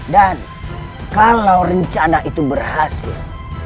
dan kalau rencana itu berhasil